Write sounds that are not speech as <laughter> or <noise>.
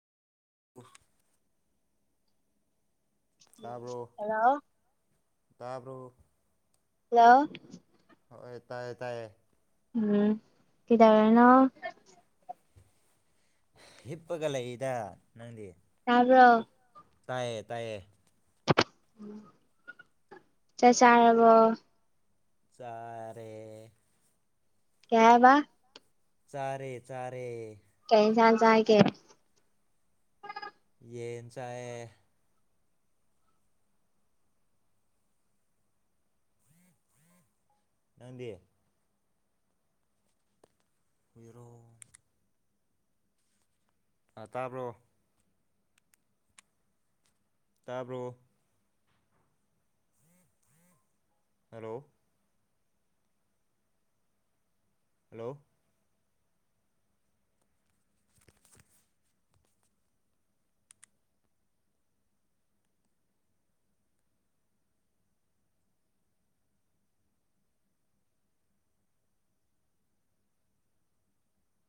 <inaudible> ꯎꯝ ꯇꯥꯕ꯭ꯔꯣ ꯍꯜꯂꯣ ꯇꯥꯕ꯭ꯔꯣ ꯍꯜꯂꯣ ꯍꯣꯏ ꯇꯥꯏꯌꯦ ꯇꯥꯏꯌꯦ ꯎꯝ ꯀꯩꯗꯧꯔꯤꯅꯣ ꯍꯤꯞꯄꯒ ꯂꯩꯏꯗ ꯅꯪꯗꯤ ꯇꯥ꯭ꯔꯕꯣ ꯇꯥꯏꯌꯦ ꯇꯥꯏꯌꯦ ꯆꯥꯛ ꯆꯥꯔꯕ꯭ꯔꯣ ꯆꯥꯔꯦ ꯀꯩ ꯍꯥꯏꯕ ꯆꯥꯔꯦ ꯆꯥꯔꯦ ꯀꯩ ꯏꯟꯁꯥꯡ ꯆꯥꯒꯦ ꯌꯦꯟ ꯆꯥꯏꯌꯦ ꯅꯪꯗꯤ ꯍꯨꯏꯔꯣ ꯑ ꯇꯥꯕ꯭ꯔꯣ ꯇꯥꯕ꯭ꯔꯣ ꯍꯜꯂꯣ ꯍꯜꯂꯣ <inaudible>